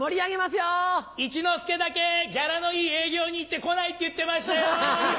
一之輔だけギャラのいい営業に行って来ないって言ってましたよ。